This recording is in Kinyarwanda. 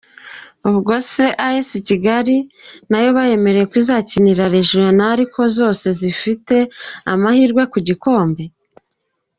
ubwo c as Kigali nayo bayemereye ko izakinira regional ko zose zigifite amahirwe kugikombe?.